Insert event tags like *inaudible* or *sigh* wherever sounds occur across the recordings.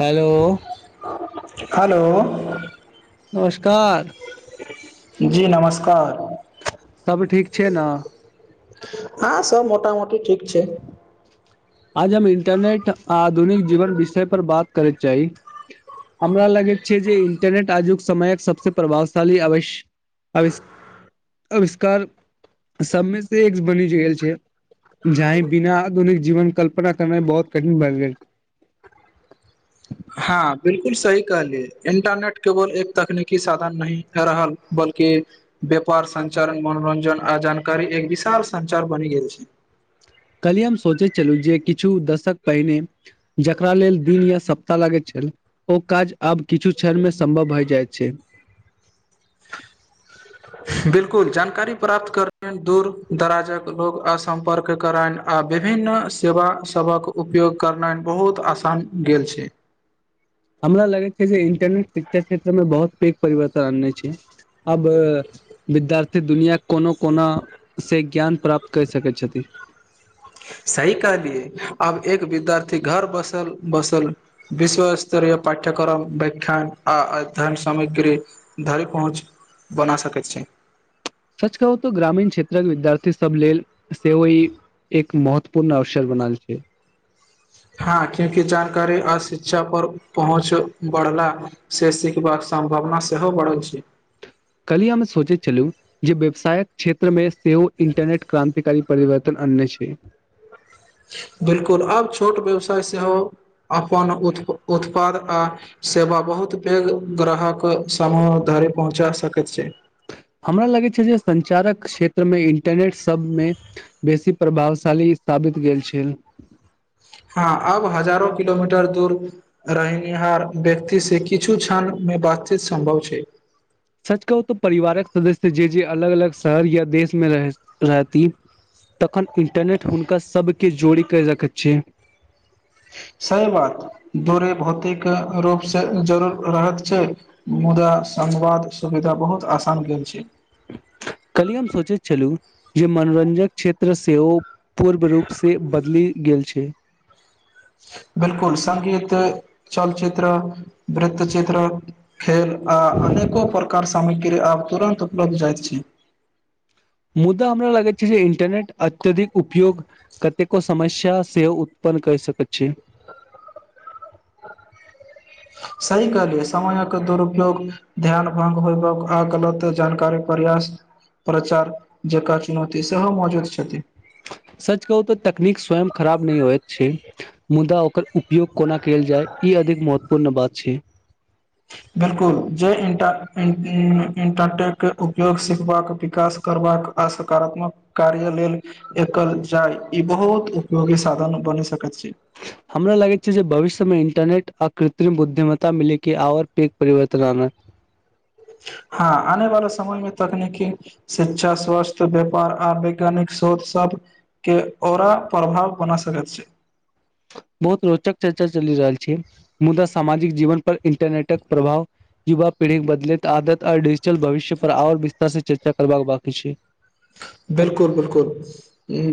Hello. Hello. नमस्कार। जी नमस्कार। सब ठीक छै न। हँ सब मोटा- मोटी ठीक। छै। आज हम इंटरनेट आ आधुनिक जीवन विषय पर बात करय चाही, हमरा लागैत छै जे इन्टरनेट आजुक समयक सबस प्रभावशाली आवि आविष् आविष्कार सबमे से एक बनि गेल छै जाहि बिना आधुनिक जीवन। कल्पना करनाय बहोत कठिन बैन गेल हाँ बिलकुल सही कहलिये इंटरनेट केवल एक तकनीकी साधन नहि रहल बल्कि व्यापार संचारण मनोरंजन आ जानकारी एक विशाल संचार बनि गेल छै। कली हम सोचैत छलु जे कि छु दशक पहिने जकरा लेल दिन या सप्ताह लागैत ओ काज आब किछु क्षण मे सम्भव भए जाइत छै। बिल्कुल जानकारी प्राप्त कर *unintelligible* दूर-दराजक लोग आसम्पर्क करैन आ विभिन्न सेवा सबक उपयोग करनाएन बहुत आसान गेल छै। हमरा लगैत छै जे इंटरनेट शिक्षा क्षेत्रमे बहुत पैघ परिवर्तन आननै छै। अब विद्या ते दुनिया कोनो कोना से ज्ञान प्राप्त कै सकै छथि। सही कहलियै आब एक विद्यार्थी घर बसल-बसल विश्व स्तरीय पाठ्यक्रम बैख्यान आ अध्ययन सामग्री धरि पहुँच बना सकैत छै। सच कहु तो ग्रामीण क्षे त्र विद्यार्थी सब लेल सेहो इ एक महत्वपूर्ण अवसर बनल छै। हाँ क्यूँकि जानकारी आ शिक्षा पर पहुँच बढ़ला से सिखबाक सम्भावना सेहो बढ़ल छै। कलि हम्मे सोचे छलु जे व्यवसायक क्षेत्र मे सेहो इन्टरनेट क्रान्तिकारी परिवर्तन आननै छै। बिलकुल आब छोट व्यवसाय सेहो अपन उत उत्पाद आ सेवा बहुत पैघ ग्राहक समूह धरे पहुँचा सकैत छै। हमरा लगै छै जे संचारक क्षेत्र मे इंटरनेट सब मे बेसी प्रभावशाली साबित गेल छैल। हाँ आब हजारो किलोमीटर दूर रहनिहार व्यक्ति से किछु क्षण मे बातचीत सम्भव छै। सच कहु तो परिवारक सदस्य जे-जे अलग-अलग शहर या देश मे रहै, रहति तखन इन्टरनेट हुनका सब के जोड़ी के रखैत छै। सैए बात दूरे भौतिक रूप से जरूर रहत छै, मुदा संवाद सुविधा बहुत असान भेल छै। कली हम सोचैत छलु जे मनोरंजक क्षेत्र सेहो पूर्व रूप से बदलि गेल छै। बिलकुल। संगीत, चलचित्र वृत्तचित्र खेल आ अनेको प्रकार सामग्री आब तुरन्त उपलब्ध जायत छी। मुद्दा हमरा लागैत छै जे इंटरनेट अत्यधिक उपयोग कतेको समस्या सेहो उत्पन्न कर सकैत छै। सही कहलियै समयक दुरुपयोग ध्यान भंग होयबाक आ गलत जानकारी प्रयास प्रचार जका चुनौती सेहो मौजूद छथि। सच कहू तो तकनीक स्वयं खराब नै होयत छै, मुदा ओकर उपयोग कोना कयल जाय ई अधिक महत्वपूर्ण बात छै। बिलकुल जे इंटा इन इन इंटाटेक के उपयोग सिखबाक, विकास करबाक आ सकारात्मक कार्य लेल एकल जाय ई बहुत उपयोगी साधन बनि सकैत छै। हमरा लगैत छै जे भविष्यमे इंटरनेट आ कृत्रिम बुद्धिमत्ता मिलय के और पैघ परिवर्तन आनत। हाँ आने वाला समय मे तकनीकी शिक्षा, स्वास्थ्य, व्यापार आ वैज्ञानिक शोध सबके औरा प्रभाव बना सकैत छै। बहुत रोचक चर्चा चलि रहल छै, मुद्दा सामाजिक जीवन पर इंटरनेटक प्रभाव युवा पीढ़ी के बदलैत आदत आ डिजिटल भविष्य पर और विस्तार से चर्चा करबाक बाकी छै। बिलकुल बिलकुल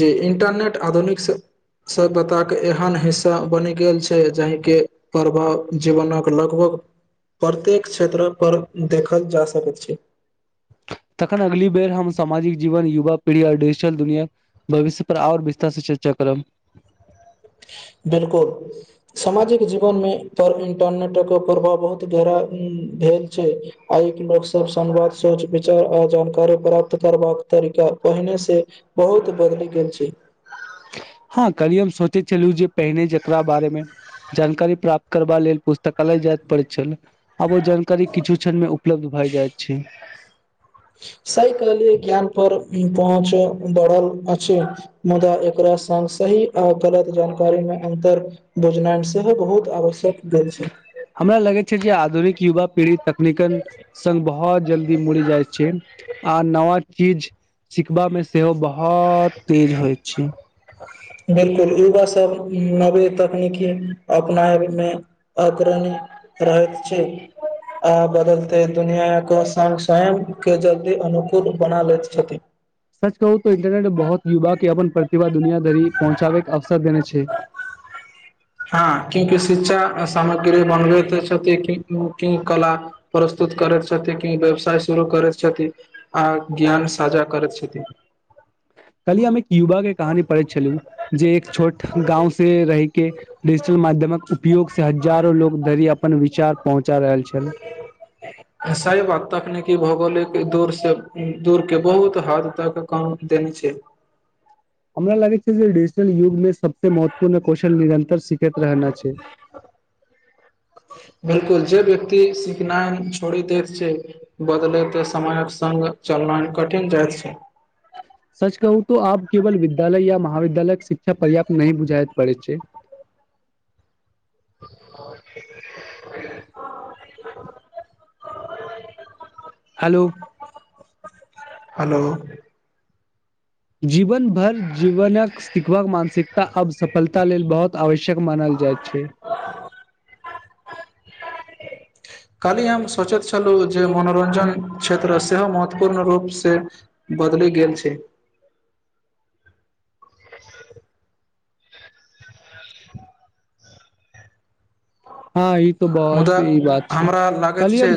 जी इंटरनेट आधुनिक सभ्यताके एहन हिस्सा बनि गेल छै जाहिके प्रभाव जीवनक लगभग प्रत्येक क्षेत्रपर देखल जा सकैत छै। तखन अगली बेर हम सामाजिक जीवन युवा पीढ़ी आओर डिजिटल दुनिया भविष्य पर आओर विस्तारसँ चर्चा करब बिलकुल सामाजिक जीवन मे पर इंटरनेटक प्रभाव बहुत गहरा भेल छै आइ के लोकसभ संवाद सोच विचार आ जानकारी प्राप्त करबाक तरीका पहिने से बहुत बदलि गेल छै हँ करी हम सोचे चल जे पहिने जकरा बारेमे जानकारी प्राप्त करबा लेल पुस्तकालय जाएत पड़ैत छल। आब ओ जानकारी किछु क्षण मे उपलब्ध भाए जायत छै। सही कहलियै ज्ञान पर पहुँच बढ़ल अछि मुदा एकरा सङ्ग सही आ गलत जानकारी मे अन्तर बुझनाइ सेहो बहुत आवश्यक भेल छै हमरा लगै छै जे आधुनिक युवा पीड़ तकनीकल सघ बहुत जल्दी मुड़ जाय छै आ नवा चीज सिखबामे से ओ बहुत तेज हो छै। बिलकुल युवा सभ नवी तकनीकी अपनाय मे अग्रणी रहैत छै आ बदलते दुनिआके स्वयं के जल्दी अनुकूल बना लैत छथिन। कहू त इन्टरनेट बहुत युवा के अपन प्रतिभा दुनिया धरि पहुँचाबैके अवसर देने छै। हँ क्यूंकि शिक्षा सामग्री बनबैत छथिन कला प्रस्तुत करैत छथिन क व्यवसाय शुरू करैत छथिन आ ज्ञान साझा करैत छथिन। कहलियै हम एक युवा के कहानी पढ़ैत छलहु जे एक छोट गाँंव से रहिके डिजिटल माध्यमक उपयोग से हजारो लोग धरि अपन विचार पहुँचा रहल छल कि भौगोलिक दूर दूरके बहुत हद तक काम देने छै हमरा लागै छै जे डिजिटल युगमे सबसँे महत्वपूर्ण कौशल निरन्तर सिखैत रहना छै। बिलकुल जे व्यक्ति सिखनाइ छोड़ि दैत छै बदलैत समयक सङ्ग चलनाइ कठिन जाइत छै। सच कहू तो आब केवल विद्यालय या महाविद्यालयके शिक्षा पर्याप्त नहिह बुझााय पड़ै छै। *unintelligible* हेलो हेलो जीवन भर जीवनक श देखभ मानसिकता अब सफलता लेल बहुत आवश्यक मानल जाइ छै। काल्हि हम सोचैत छलहुँ जे मनोरञ्जन क्षेत्र सेहो महत्वपूर्ण रूपसँ बदलि गेल छै। हँ ई त बहुत मुदा ई बात छै कलियियम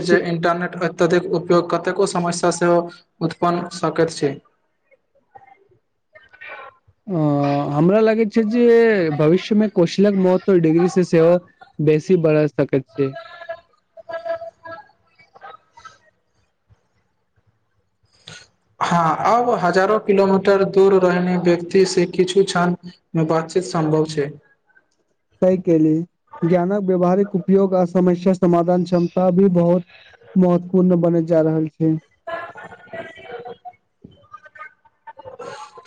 धिक उपयोग कतेको समस्या सेहो उत्पन्न सकैत छै आ हमरा लगैत छै जे भविष्यमे कौशलक महत्व डिग्री से सेहो बेसी बढ़ सकैत छै। हँ अब हजारो किलोमीटर दूर रहने व्यक्ति से किछु क्षण मे बातचीत सम्भव छै। सहि केेली ज्ञानक व्यावहारिक उपयोग आ समस्या समाधान क्षमता भी बहुत महत्वपूर्ण बन जा रहल छै। *unintelligible*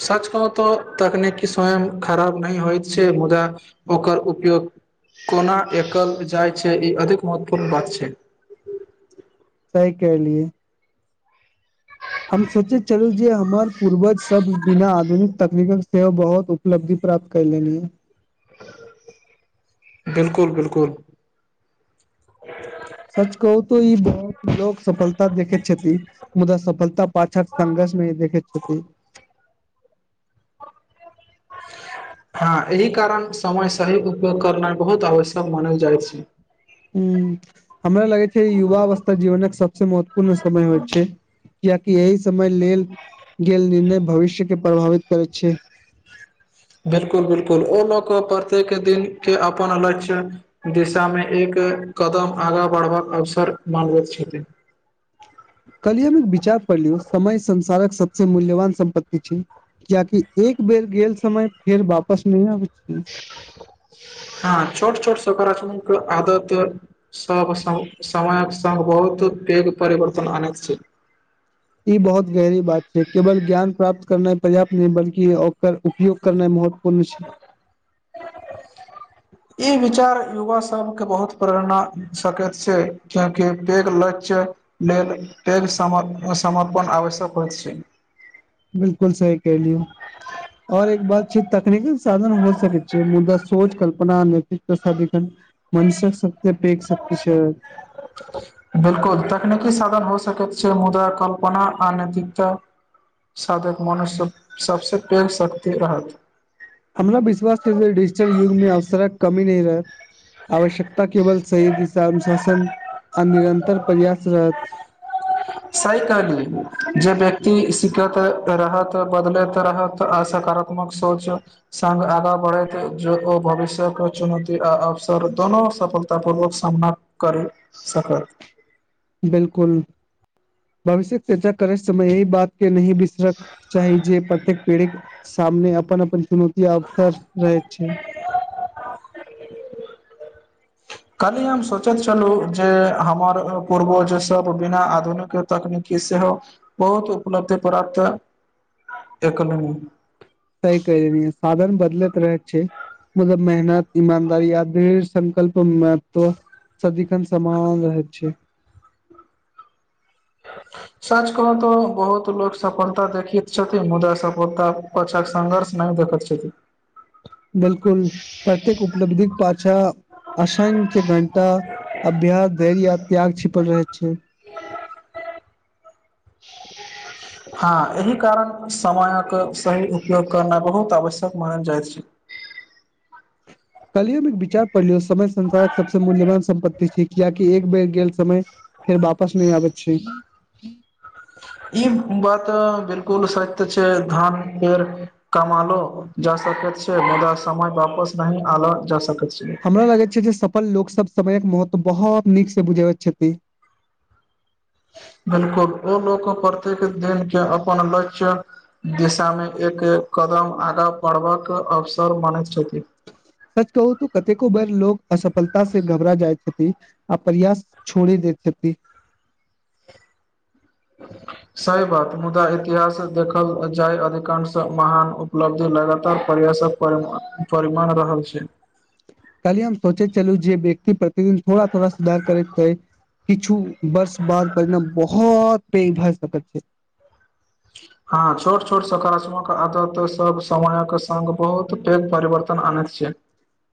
सच कहहु तऽ तकनीकी स्वयं खराब नहि होइत छै मुदा ओकर उपयोग कोना एकल जाइत छै ई अधिक महत्वपूर्ण बात छै। कलियए हम सोचे चलू जे हमर पूर्वज सब बिना आधुनिक तकनीकल सेवा बहुत उपलब्धि प्राप्त कयलनि ये बिलकुल बिलकुल सच कहू तऽ ई लोको सफलता देखैत छथि मुदा सफलता पा्ात संघर्ष मे देखेत *unintelligible* हँ, एहि कारण समय सही उपयोग करनाइ, बहुत आवश्यक मानल जाइ छै। ह, हमरा लागै ये युवा अवस्था जीवनक सब से मत पूर्ण समय होइत छै कियैकि एहि समय लेल गेल निर्णय भविष्यके प्रभावित करैत छै। बिलकुल- बिलकुल ओ लोक प्रत्येक दिन, के अपन अलग क्षेत्र दिशा मे एक कदम आगाँ बढ़बाक अवसर मानबैत छथिन। कलि हम एक विचार पढ़लियौ, समय संसारक सबसे मूल्यवान सम्पत्तति छै, कियाकि एक बेर गेल समय फेर वापस नहि आबै। छै हँ। छोट -छोट सकारात्मक आदत सब' समयक सग बहुत पैघ परिवर्तन आनैत छै। ई बहुत गहरी बात छै, केवल ज्ञान प्राप्त करनाइ पर्याप्त नहि, बल्कि ओकर उपयोग करना महत्वपूर्ण छै। ई विचार युवा सभके बहुत प्रेरणा द सकैत छै, कियाकि पैघ लक्ष लेल पैघ, सम समर्पन आवश्यक होइत छै। 'बिलकुल' सही क लियै, आओर एक बात छै, तकनीकल साधन हो सकै छै मुदा सोच कल्पना नैतिकत *unintelligible* मनुष्यशक सबसे पैध शक्ति छै। बिलकुल तकनीकी साधन हो सकैत छै, मुदा कल्पना अनैतिकता साधक मनुष्य सबस पैघ शक्ति रहत। हमरा विश्वास छै, डिजिटल युग मे अवसरक कमी नै रहै। आवश्यकता केवल सही दिशाानुशासन आ निरन्तर प्रयास रहत। सही कहलिय, जे व्यक्ति सिखैत रहत, बदलैत रहत, आ सकारात्मक सोच सङ्ग, आगा बढ़ैत जे लोकक आ भविष्यके चुनौती आ अवसर दोनो सफलता पूर्वक सामना करि सकत। 'बिलकुल' भविष्य चर्चा करे समय यही बात के नहि बिसरक चाही, जे प्रत्येक पीढ़ी सामने अपन अपन चुनौती, अवसर रहैत छै। कली हम सोचैत छलू जे, हमर पूर्वजसभ बिना आधुनिक तकनीकी सेहो बहुत उपलब्धि प्राप्त एकल। सही कहि देलियै, साधन बदलैत रहै छै, मतलब मेहनत 'इमानदारी' आदेश! संकल्प। महतत्व सदिखन, समाउल रहैत छै। सच कहु तऽ, बहुत लोक सफलता देखैत छथिन, मुदा सफलता पाछाक संघर्ष नहि देखैत छथिन। 'बिलकुल'प्रत्येक उपलब्धिक पाच अच्छ! असंख्य घटना, अभ्यास धैर या, त्याग छिपल रहै छै। हँ एहि कारण समयक सही उपयोग करनाइ, 'बहुत' आवश्यक मानल जाइत छै। काइल एक विचार पढ़लियौ, समय संसारक सबसे मूल्यवान सम्पत्ति छै, कियाकि, एक बेर गेल समय फेर वापस नहि आबैत छै। ई बात 'बिलकुल' सत्य छै, धान फेर कमैलो जा सकैत छै, मुदा समय वापस न आनल जा सकैत। छै हमरा लागैत छै जे, सफल लोक सब समयक महत्व बहोत नीक से बुझाबैत छथि। बिलकुल ओ लोक प्रत्येक दिनके अपन लक्ष्य दिशामे एक कदम आगाँ बढ़बक अवसर मानैत छथि। सच कहू तो कतेको बेर लोग असफलता से घबरा जाय छथि आ प्रयास छोड़ि दैत छथि। सही बात मुद्दा इतिहास देखल जाय अधिकांश महान उपलब्धि लगातार प्रयासक परिमा परिमाण रहै छै। कल्हि हम सोचैत छलू जे व्यक्ति प्रतिदिन थोड़ा-थोड़ा सुधार करतै किछु वर्ष बाद परिणाम बहोत पैघ भ सकैत छै। हँ, छोट -छोट सकारात्मक आदत सभ, समयक सङ्ग बहुत पैघ परिवर्तन आनैत छै।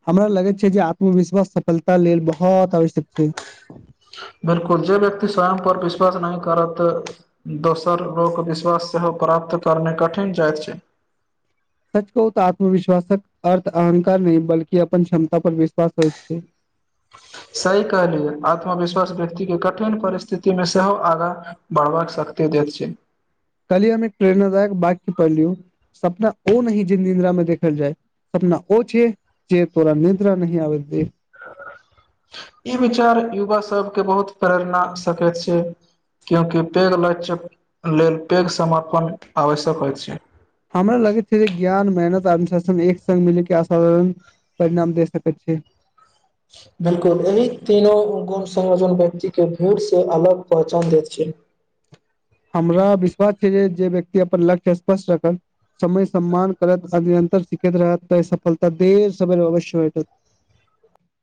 हमरा लगैत छै जे, आत्मविश्वास सफलता लेल बहुत आवश्यक छै। 'बिलकुल' जे व्यक्ति स्वयंपर विश्वास नहि करत, दोसर लोक विश्वास सेहो प्राप्त करना कठिन भ जाइत छै। सच कहू तऽ आत्मविश्वासक अर्थ अहंकार नै बल्कि अपन क्षमता पर विश्वास होय छै। सही कहलियै आत्मविश्वास व्यक्ति के कठिन परिस्थिति मे सेहो आगाँ बढ़बाक शक्ति दैत छै। कल्हि हम एक प्रेरणादायक वाक्य पढ़ लियौ सपना ओ नहि जे निद्रा में देखल जाय, सपना ओ छै जे तोरा निद्रा नहि आबे दे। इ विचार युवा सबके बहुत प्रेरणा सकैत छै, क्यूंकि पैघ लक्ष्य लेल पैघ समर्पण आवश्यक होयत छै। हमरा लगैत छै जे ज्ञान, मेहनत, अनुशासन एक संग मिल के असाधारण परिणाम दे सकैत छै। बिलकुल एहि तीनो गुण संरोजन व्यक्ति के भीड़ से अलग पहचान दैत छै। हमरा विश्वास छै जे, जे व्यक्ति अपन लक्ष्य स्पष्ट रखत, समय सम्मान करत आ निरन्तर सिखैत रहत तऽ सफलता देर सवेर अवश्य भेटत।